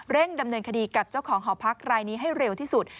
ดำเนินคดีกับเจ้าของหอพักรายนี้ให้เร็วที่สุด